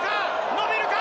伸びるか！